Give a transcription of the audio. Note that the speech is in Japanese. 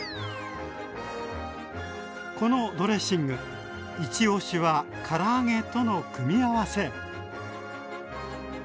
このドレッシングいち推しはから揚げとの組み合わせ。